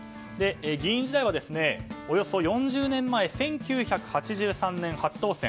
議員時代は、およそ４０年前１９８３年、初当選。